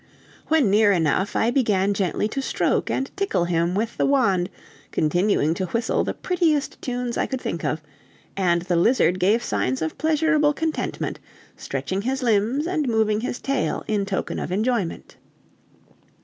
When near enough, I began gently to stroke and tickle him with the wand, continuing to whistle the prettiest tunes I could think of; and the lizard gave signs of pleasurable contentment, stretching his limbs and moving his tail in token of enjoyment.